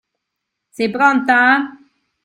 Sei pronta?